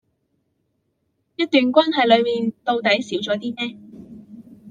一段關係中到底少了什麼